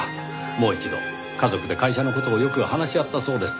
もう一度家族で会社の事をよく話し合ったそうです。